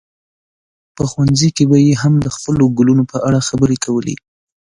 په ښوونځي کې به یې هم د خپلو ګلونو په اړه خبرې کولې.